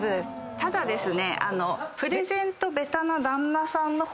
ただですね。